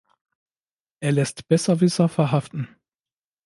Er lässt Besserwisser verhaften.